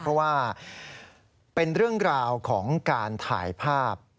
เพราะว่าเป็นเรื่องราวของการถ่ายภาพ